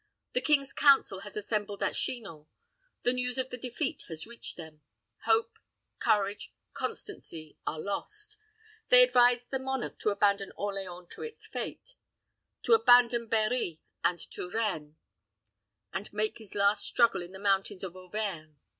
The king's council has assembled at Chinon; the news of the defeat has reached them. Hope, courage, constancy are lost. They advise their monarch to abandon Orleans to its fate; to abandon Berri and Touraine, and make his last struggle in the mountains of Auvergne.